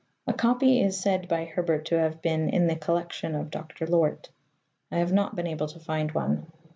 A copy is said by Herbert to have been " in the collection of Dr. Lort." I have not been able to find one.